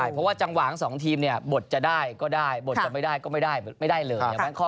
เพราะว่าจังหวะทั้งสองทีมเนี่ยบทจะได้ก็ได้บทจะไม่ได้ก็ไม่ได้ไม่ได้เลย